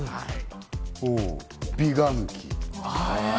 美顔器。